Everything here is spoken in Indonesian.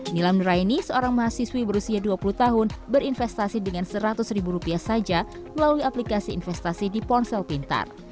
nilam nuraini seorang mahasiswi berusia dua puluh tahun berinvestasi dengan seratus ribu rupiah saja melalui aplikasi investasi di ponsel pintar